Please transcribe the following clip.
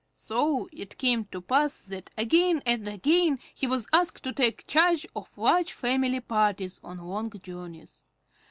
So it came to pass that again and again he was asked to take charge of large family parties on long journeys.